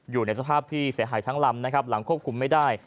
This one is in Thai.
อยู่ในสภาพที่เสียหายทั้งลำนะครับหลังควบคุมไม่ได้